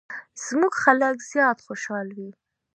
زموږ خلک زیات خوشحال وي.